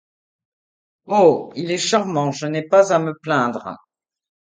Oh! il est charmant, je n’ai pas à me plaindre...